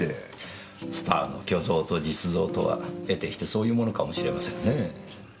スターの虚像と実像とは得てしてそういうものかもしれませんねぇ。